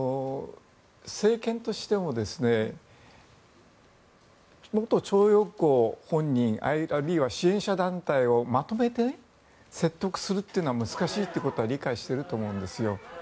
政権としても元徴用工本人あるいは支援者団体をまとめて説得するのは難しいことは理解していると思うんですよ。